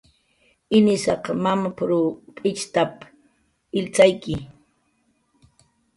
"Inisaq mamap"" ruq p'itxt""ap illtzakyi"